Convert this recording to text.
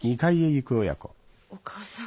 お義母さん